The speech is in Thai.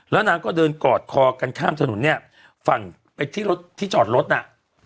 แล้วนางก็เดินกอดคอกันข้ามถนนเนี่ยฝั่งไปที่รถที่จอดรถน่ะ